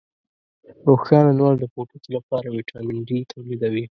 روښانه لمر د پوټکي لپاره ویټامین ډي تولیدوي.